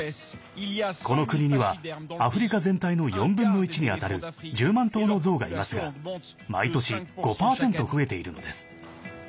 この国にはアフリカ全体の４分の１に当たる１０万頭のゾウがいますが毎年５％増えているのです。